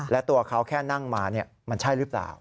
และตัวเขาแค่นั่งมามันใช่หรือเปล่า